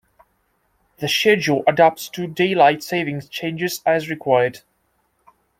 The schedule adapts to daylight-savings changes as required.